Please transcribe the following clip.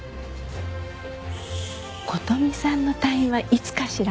琴美さんの退院はいつかしら？